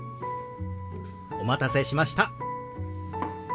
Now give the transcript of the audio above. お待たせしました。